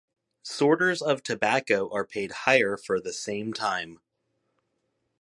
Sorters of tobacco are paid higher for the same time.